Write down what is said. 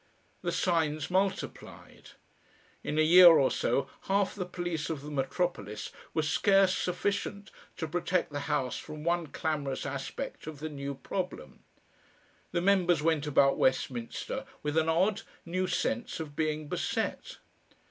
The signs multiplied. In a year or so half the police of the metropolis were scarce sufficient to protect the House from one clamorous aspect of the new problem. The members went about Westminster with an odd, new sense of being beset.